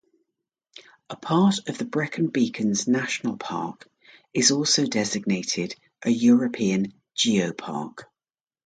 A part of the Brecon Beacons National Park is also designated a European Geopark.